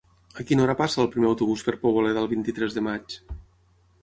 A quina hora passa el primer autobús per Poboleda el vint-i-tres de maig?